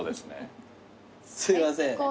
すいません。